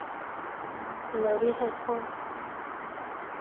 Lodi has four siblings.